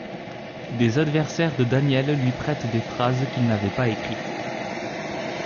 Des adversaires de Daniel lui prêtent des phrases qu'il n'avait pas écrites.